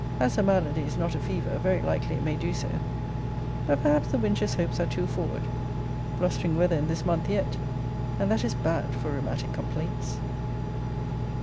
As her malady is not a fever, very likely it may do so. But perhaps the wench's hopes are too forward. Blustering weather in this month yet. And that is bad for rheumatic complaints.